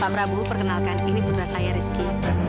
pak prabowo perkenalkan ini putra saya rizky